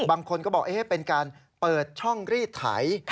บางคนก็บอกเป็นการเปิดช่องรีดไถ